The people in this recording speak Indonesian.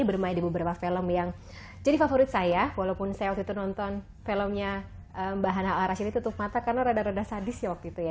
bermain di beberapa film yang jadi favorit saya walaupun saya waktu itu nonton filmnya mbak hana al rashi ini tutup mata karena rada rada sadis ya waktu itu ya